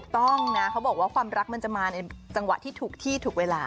ต้องนะเขาบอกว่าความรักมันจะมาในจังหวะที่ถูกที่ถูกเวลา